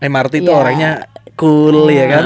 mrt itu orangnya cool ya kan